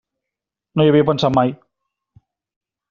No hi havia pensat mai.